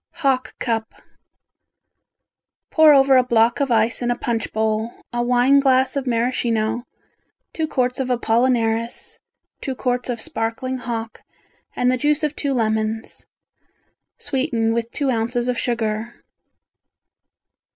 Hock Cup Pour over a block of ice in a punch bowl, a wine glass of Maraschino, two quarts of apollinaris, two quarts of sparkling hock and the juice of two lemons. Sweeten with two ounces of sugar.